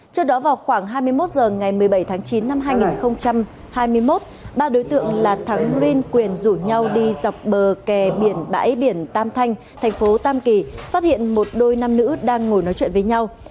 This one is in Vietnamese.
trước đó vào khoảng hai mươi một h ngày một mươi bảy tháng chín năm hai nghìn hai mươi một ba đối tượng là thắng rin quyền rủ nhau đi dọc bờ kè biển bãi biển tam thanh thành phố tam kỳ phát hiện một đôi nam nữ đang ngồi nói chuyện với nhau